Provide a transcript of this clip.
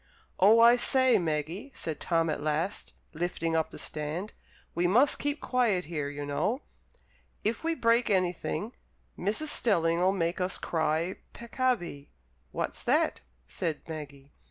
"Oh, I say, Maggie," said Tom at last, lifting up the stand, "we must keep quiet here, you know. If we break anything, Mrs. Stelling'll make us cry peccavi." "What's that?" said Maggie.